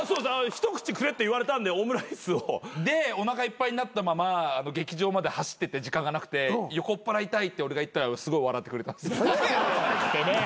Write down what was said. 一口くれって言われたんでオムライスを。でおなかいっぱいになったまま劇場まで走ってて時間がなくて「横っ腹痛い」って俺が言ったらすごい笑ってくれた。